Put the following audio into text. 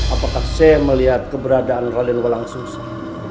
apakah saya melihat keberadaan raden walang susah